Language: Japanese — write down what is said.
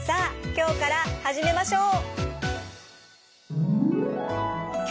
今日から始めましょう！